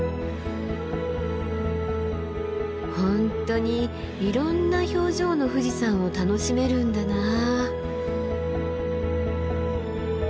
本当にいろんな表情の富士山を楽しめるんだなあ。